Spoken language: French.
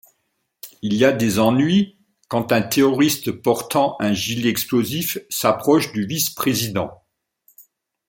Il a des ennuis quand un terroriste portant un gilet explosif s'approche du vice-président.